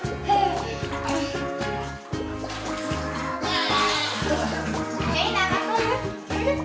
はい！